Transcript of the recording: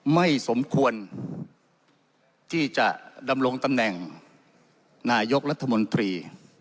ไม่สมควรที่จะดำรงตำแหน่งนายกรัฐมนตรี